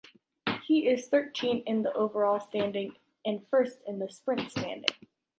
He is thirteen in the overall standing and first in the sprint standing.